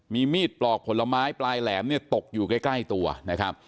มีมีดปลอกผลไม้ปลายแหลมเนี่ยตกอยู่ใกล้ตัวนะครับ